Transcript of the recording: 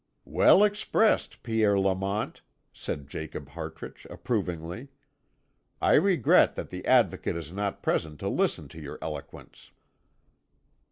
"Well expressed, Pierre Lamont," said Jacob Hartrich approvingly. "I regret that the Advocate is not present to listen to your eloquence."